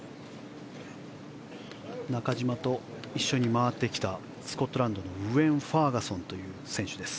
中島と一緒に回ってきたスコットランドのウエン・ファーガソン。